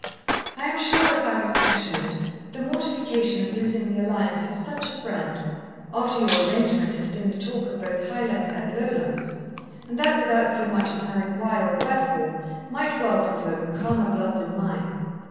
I am sure, if I was passionate, the mortification of losing the alliance of such a friend, after your arrangement had been the talk of both Highlands and Lowlands, and that without so much as knowing why or wherefore, might well provoke calmer blood than mine.